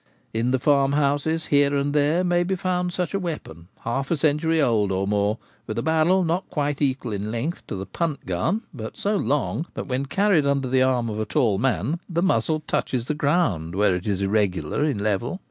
In the farmhouses here and there may be found such a weapon, half a century old or more, with a barrel not quite equal in length to the punt gun, but so long that, when carried under the arm of a tall man, the muzzle touches the ground where it is irregular in level.